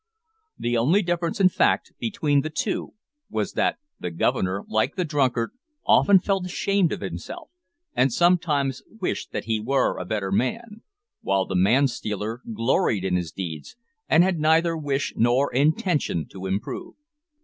The only difference, in fact, between the two was that the Governor, like the drunkard, often felt ashamed of himself, and sometimes wished that he were a better man, while the man stealer gloried in his deeds, and had neither wish nor intention to improve.